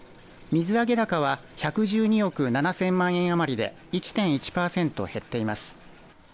水揚げ高は１１２億７０００万円余りで１．１パーセント減っています。